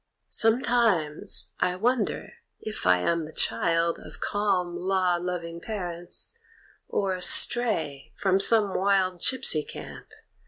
Sometimes I wonder if I am the child Of calm, law loving parents, or a stray From some wild gypsy camp.